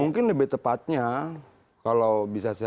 mungkin lebih tepatnya kalau bisa saya